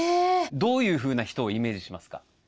どういうふうな人をイメージしますか？